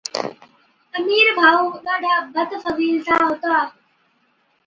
امير ڀائُو ڏاڍا بدفضيلَتا ھُتا